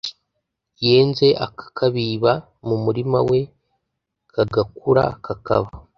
yenze akakabiba mu murima we kagakura kakaba